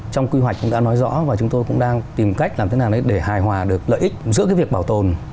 trong quy hoạch chúng ta nói rõ và chúng tôi cũng đang tìm cách làm thế nào để hài hòa được lợi ích giữa cái việc bảo tồn